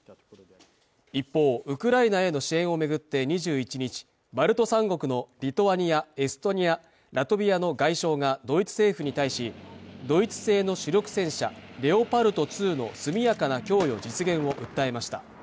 一方、ウクライナへの支援を巡って２１日、バルト３国のリトアニア、エストニア、ラトビアの外相がドイツ政府に対し、ドイツ製の主力戦車レオパルト２の速やかな供与実現を訴えました。